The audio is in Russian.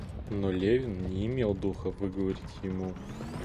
Но Левин не имел духа выговорить ему.